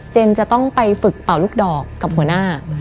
จะต้องไปฝึกเป่าลูกดอกกับหัวหน้า